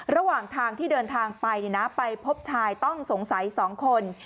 ระหว่างทางที่เดินทางไปไปพบชายต้องสงสัย๒คน